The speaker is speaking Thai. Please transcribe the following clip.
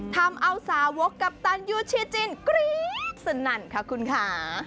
ทำเอาสาวกกัปตันยูชิจินกรี๊ดสนั่นค่ะคุณค่ะ